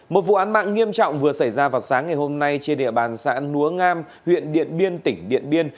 một vụ án mạng nghiêm trọng vừa xảy ra vào sáng ngày hôm nay trên địa bàn xã núa ngam huyện điện biên tỉnh điện biên